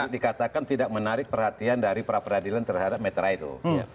dikatakan tidak menarik perhatian dari pra peradilan terhadap mitra itu